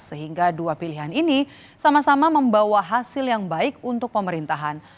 sehingga dua pilihan ini sama sama membawa hasil yang baik untuk pemerintahan